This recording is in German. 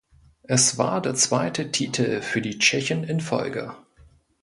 Es war der zweite Titel für die Tschechen in Folge.